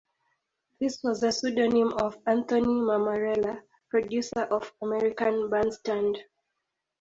This was a pseudonym of Anthony Mammarella, producer of "American Bandstand".